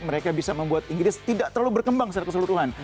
mereka bisa membuat inggris tidak terlalu berkembang secara keseluruhan